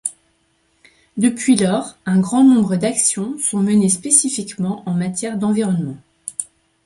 Depuis lors, un grand nombre d'actions sont menées spécifiquement en matière d'environnement.